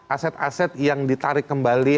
aset aset yang ditarik kembali